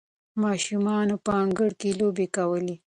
ماشومانو په انګړ کې لوبې کولې.